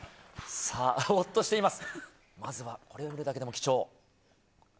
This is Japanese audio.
ほっとしています。